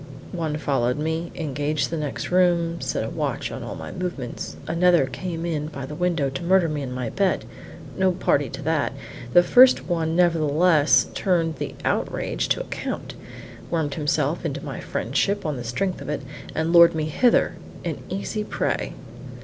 One followed me, engaged the next room, set a watch on all my movements; another came in by the window to murder me in my bed; no party to that, the first one nevertheless turned the outrage to account, wormed himself into my friendship on the strength of it, and lured me hither, an easy prey.